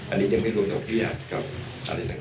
อันนี้ยังไม่รวมดอกเครียดกับอะไรต่าง